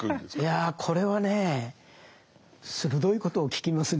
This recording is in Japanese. いやこれはね鋭いことを聞きますね。